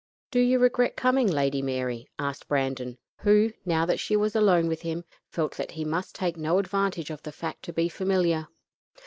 "Do you regret coming, Lady Mary?" asked Brandon, who, now that she was alone with him, felt that he must take no advantage of the fact to be familiar.